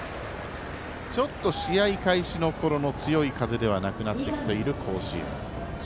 ちょっと試合開始のころの強い風ではなくなってきている甲子園。